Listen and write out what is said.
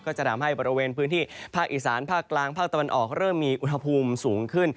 จะทำให้บริเวณพื้นที่ภาคอีสานภาคกลางภาคตะวันออกเริ่มมีอุณหภูมิสูงขึ้น